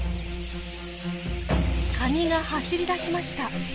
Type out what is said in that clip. カニが走り出しました。